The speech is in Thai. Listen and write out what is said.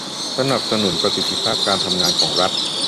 สนับสนุนประสิทธิภาพการทำงานของรัฐ